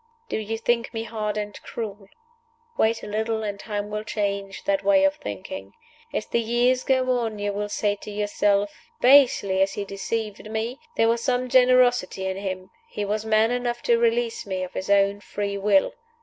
"Do you think me hard and cruel? Wait a little, and time will change that way of thinking. As the years go on you will say to yourself, 'Basely as he deceived me, there was some generosity in him. He was man enough to release me of his own free will.